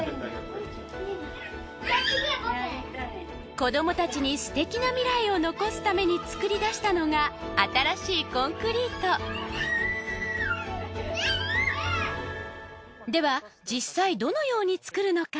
子どもたちにすてきな未来を残すために作り出したのが新しいコンクリートでは実際どのように作るのか？